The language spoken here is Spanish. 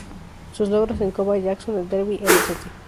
Sus logros en la Copa Jackson, el Derby, el St.